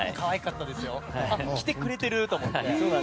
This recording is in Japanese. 着てくれてる！と思って。